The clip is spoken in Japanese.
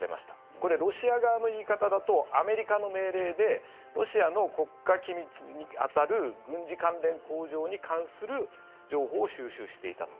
これ、ロシア側の言い方だとアメリカの命令でロシアの国家機密に当たる軍事関連工場に関する情報を収集していたと。